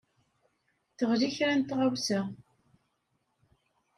Teɣli kra n tɣewsa.